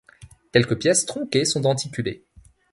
Quelques pièces tronquées sont denticulées.